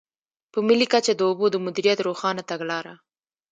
په ملي کچه د اوبو د مدیریت روښانه تګلاره.